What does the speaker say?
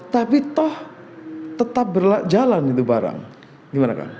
tapi toh tetap berjalan itu barang gimana kak